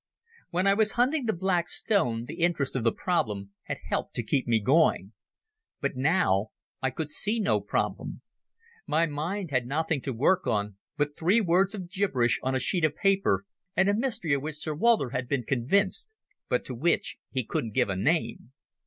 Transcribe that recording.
When I was hunting the Black Stone the interest of the problem had helped to keep me going. But now I could see no problem. My mind had nothing to work on but three words of gibberish on a sheet of paper and a mystery of which Sir Walter had been convinced, but to which he couldn't give a name.